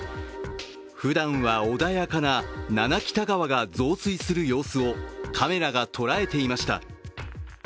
ふだんは穏やかな七北田川が増水する様子をカメラが捉えていました。